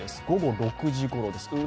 午後６時ごろです。